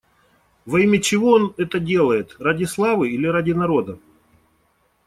Во имя чего он это делает: ради славы или ради народа?